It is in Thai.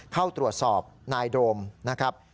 เข้าตรวจสอบนายโดมนะครับ